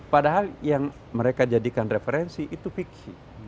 padahal yang mereka jadikan referensi itu fikih